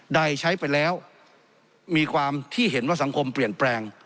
ใดใช้ไปแล้วมีความที่เห็นว่าสังคมเปลี่ยนแปลง